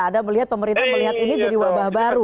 anda melihat pemerintah melihat ini jadi wabah baru